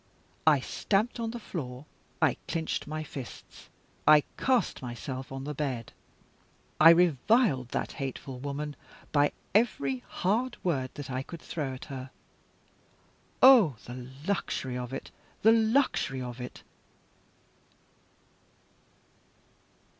I stamped on the floor, I clinched my fists, I cast myself on the bed, I reviled that hateful woman by every hard word that I could throw at her. Oh, the luxury of it! the luxury of it!